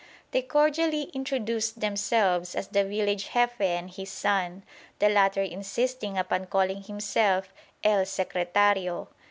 They cordially introduced themselves as the village Jefe and his son; the latter insisting upon calling himself "el secretario."